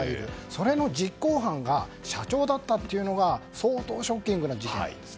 それの実行犯が社長だったというのが相当ショッキングな事件です。